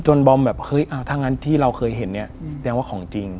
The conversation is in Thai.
บอมแบบเฮ้ยถ้างั้นที่เราเคยเห็นเนี่ยแสดงว่าของจริง